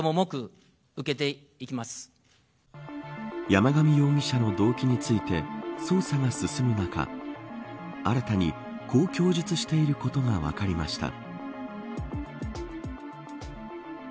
山上容疑者の動機について捜査が進む中新たに、こう供述していることが分かりました。